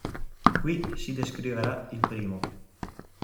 Qui si descriverà il primo.